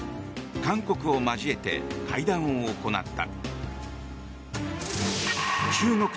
韓国を交えて会談を行った。